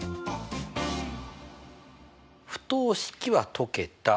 不等式は解けた。